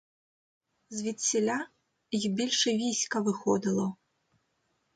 Звідсіля й більше війська виходило.